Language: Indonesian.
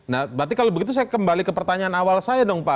nah berarti kalau begitu saya kembali ke pertanyaan awal saya dong pak